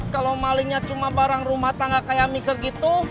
kalo malingnya cuma bareng rumah tangga kayak mixer gitu